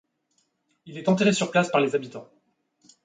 Il est enterré sur place par les habitants.